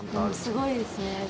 すごいですね。